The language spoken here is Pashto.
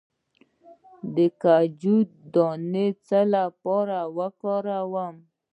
د کنجد دانه د څه لپاره وکاروم؟